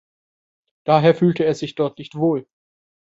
Daher fühlte er sich dort nicht wohl.